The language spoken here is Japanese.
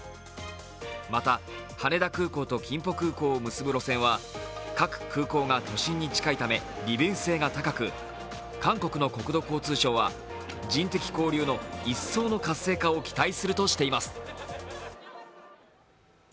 また羽田空港とキンポ空港を結ぶ路線は各空港が都心に近いため利便性が高く、韓国の国土交通省、人的交流の一層の活性化を期待するとしています。